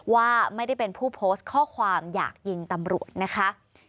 ว่าไม่ได้เป็นผู้โพสต์ข้อความอยากยิงตำรวจนะคะ